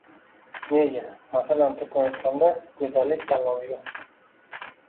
Nega, masalan, Turkmanistonda go'zallik tanlovi yo'q?